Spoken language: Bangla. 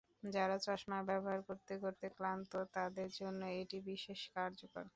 যাঁরা চশমা ব্যবহার করতে করতে ক্লান্ত, তাঁদের জন্য এটি বিশেষ কার্যকর।